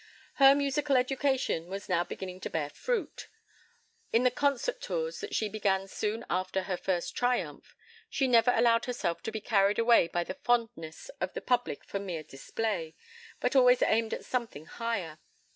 Her musical education was now beginning to bear fruit. In the concert tours that she began soon after her first triumph, she never allowed herself to be carried away by the fondness of the public for mere display, but always aimed at something higher.